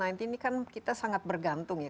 ini kan kita sangat bergantung ya